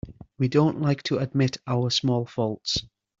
We don't like to admit our small faults.